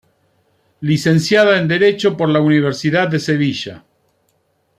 Licenciada en Derecho por la Universidad de Sevilla.